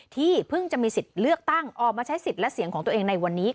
ที่เพิ่งจะมีสิทธิ์เลือกตั้งออกมาใช้สิทธิ์และเสียงของตัวเองในวันนี้